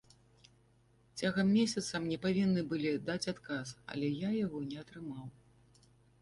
Цягам месяца мне павінны былі даць адказ, але я яго не атрымаў.